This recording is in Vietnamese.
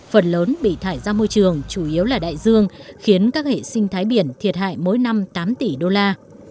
phần lớn bị thải ra môi trường chủ yếu là đại dương khiến các hệ sinh thái biển thiệt hại mỗi năm tám tỷ đô la